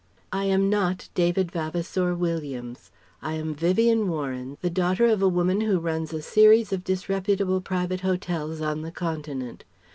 "I am not David Vavasour Williams. I am Vivien Warren, the daughter of a woman who runs a series of disreputable Private Hotels on the Continent.